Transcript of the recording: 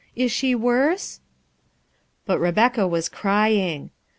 " Is she worse ?'' But Rebecca was crying.